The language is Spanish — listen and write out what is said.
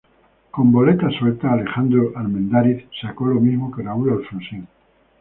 Con boletas sueltas, Alejandro Armendáriz sacó lo mismo que Raúl Alfonsín.